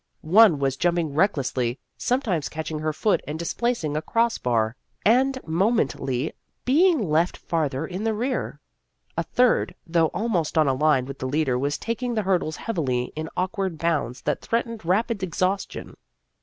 One was jumping recklessly, sometimes catching her foot and displac ing a cross bar, and momently being left farther in the rear. A third, though al most on a line with the leader, was taking the hurdles heavily in awkward bounds that threatened rapid exhaustion.